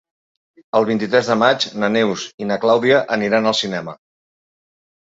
El vint-i-tres de maig na Neus i na Clàudia aniran al cinema.